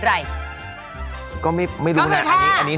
แล้วคุณพูดกับอันนี้ก็ไม่รู้นะผมว่ามันความเป็นส่วนตัวซึ่งกัน